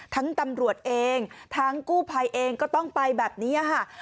ตำรวจเองทั้งกู้ภัยเองก็ต้องไปแบบนี้ค่ะ